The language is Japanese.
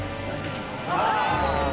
「ああ」